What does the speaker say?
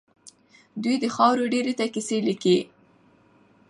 دوی د خاورو ډېري ته کيسې ليکي.